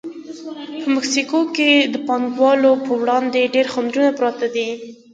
په مکسیکو کې د پانګوالو پر وړاندې ډېر خنډونه پراته دي.